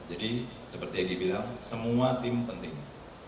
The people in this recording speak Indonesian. jadi seperti egy bilang semua tim penting